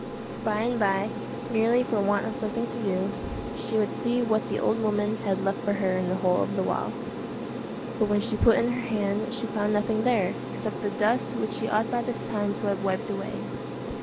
By and by, merely for want of something to do, she would see what the old woman had left for her in the hole of the wall. But when she put in her hand she found nothing there, except the dust which she ought by this time to have wiped away.